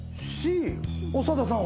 長田さんは？